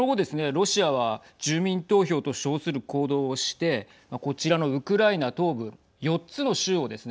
ロシアは住民投票と称する行動をしてこちらのウクライナ東部４つの州をですね